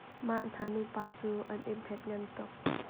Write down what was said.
Mah hna nupa cu an i hmetngan tuk.